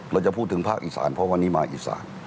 เราจะพูดถึงภาคอีสานเพราะวันนี้มาอีสาน